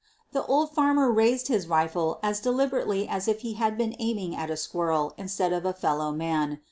The old farmer raised his rifle as deliberately as if he had been aiming at a squirrel instead of a fellow man.